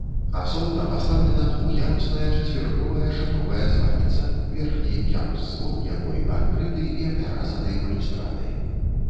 Асобна пастаўлена двух'ярусная чацверыковая шатровая званіца, верхні ярус-звон якой адкрыты і апяразаны балюстрадай.